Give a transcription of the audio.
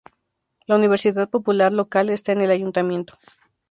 La universidad popular local está en el ayuntamiento.